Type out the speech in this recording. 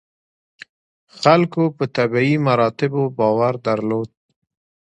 خلکو په طبیعي مراتبو باور درلود.